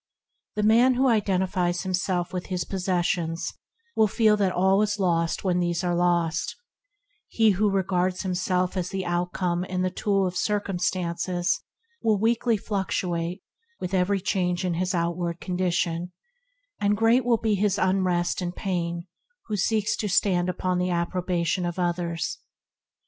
The man who identifies himself with his possessions will feel that all is lost when these are lost; he who regards himself as the outcome and the tool of circumstances will weakly fluctuate with every change in his outward condition; and great will be his unrest and pain who seeks to stand upon the approbation of others.